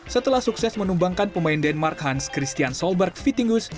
setelah sukses menumbangkan pemain denmark hans christian solberg vittinghus